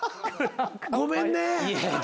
ごめんね。